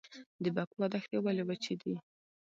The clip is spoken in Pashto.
د بکوا دښتې ولې وچې دي؟